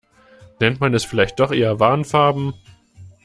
Nennt man es vielleicht doch eher Warnfarben.